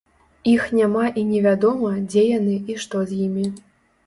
Іх няма і невядома, дзе яны і што з імі.